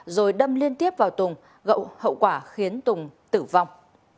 rồi đâm liên tiếp vào tùng hậu quả khiến tùng tử vong